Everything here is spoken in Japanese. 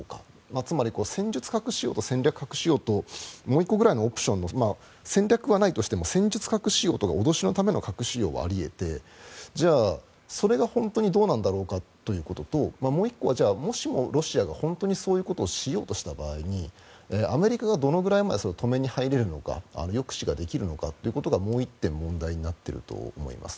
つまり、戦術核使用と戦略核使用ともう１個くらいのオプションの戦略はないとしても戦術核使用とか脅しのための核使用はあり得てじゃあ、それが本当にどうなんだろうかということともう１個はもしもロシアが本当にそういうことをしようとした場合にアメリカがどのぐらいまで止めに入れるのか抑止ができるのかということがもう１点問題になっていると思います。